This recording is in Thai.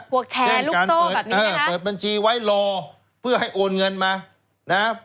พวกแชร์ลูกโซ่แบบนี้นะฮะเปิดบัญชีไว้รอเพื่อให้โอนเงินมานะฮะ